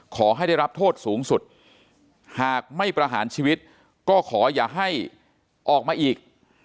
ขอให้ได้รับโทษสูงสุดหากไม่ประหารชีวิตก็ขออย่าให้ออกมาอีก